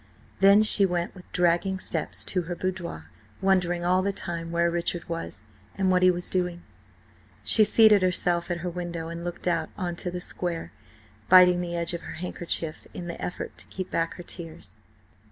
Then she went with dragging steps to her boudoir, wondering all the time where Richard was and what he was doing. She seated herself at her window and looked out on to the square, biting the edge of her handkerchief in the effort to keep back her tears.